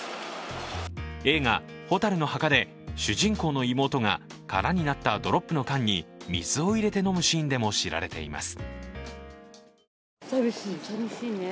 映画「火垂るの墓」で主人公の妹が空になったドロップの缶に水を入れて飲むシーンでも知られています。